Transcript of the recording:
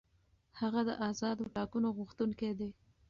هغه د آزادو ټاکنو غوښتونکی دی.